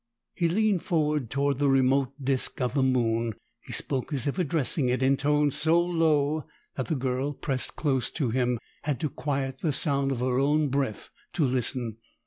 He leaned forward toward the remote disk of the moon; he spoke as if addressing it, in tones so low that the girl, pressed close to him, had to quiet the sound of her own breath to listen.